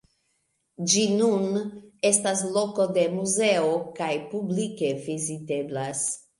Ĝi nun estas loko de muzeo, kaj publike viziteblas.